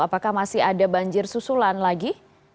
apakah masih ada banjir susulan lagi